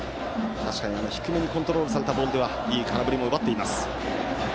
確かに低めにコントロールされたボールでは空振りを奪っています。